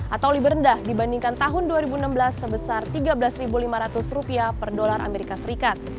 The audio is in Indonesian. atau lebih rendah dibandingkan tahun dua ribu enam belas sebesar rp tiga belas lima ratus per dolar amerika serikat